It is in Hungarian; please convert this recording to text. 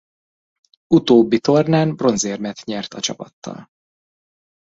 Utóbbi tornán bronzérmet nyert a csapattal.